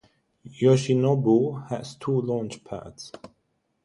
Yoshinobu has two launch pads.